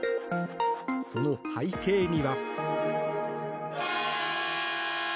その背景には。